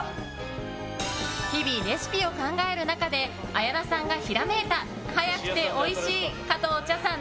日々、レシピを考える中で綾菜さんがひらめいた早くておいしい加藤茶さん